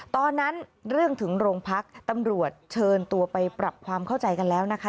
ตอนนั้นเรื่องถึงโรงพักตำรวจเชิญตัวไปปรับความเข้าใจกันแล้วนะคะ